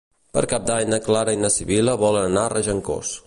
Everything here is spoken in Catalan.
Per Cap d'Any na Clara i na Sibil·la volen anar a Regencós.